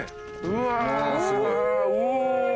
うわお！